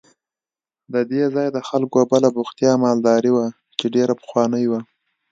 د دې ځای د خلکو بله بوختیا مالداري وه چې ډېره پخوانۍ وه.